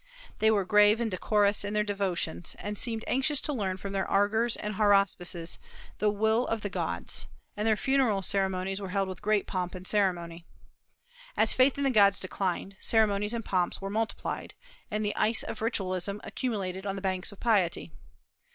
They were grave and decorous in their devotions, and seemed anxious to learn from their augurs and haruspices the will of the gods; and their funeral ceremonies were held with great pomp and ceremony. As faith in the gods declined, ceremonies and pomps were multiplied, and the ice of ritualism accumulated on the banks of piety.